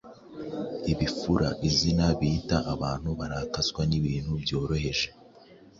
Ibifura: Izina bita abanu barakazwa n’ibintu byoroheje